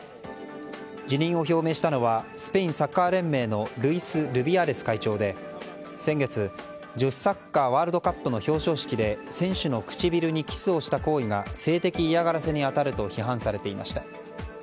辞任を表明したのはスペインサッカー連盟のルイス・ルビアレス会長で先月、女子サッカーワールドカップ表彰式で選手の唇にキスをした行為が性的嫌がらせに当たると批判されていました。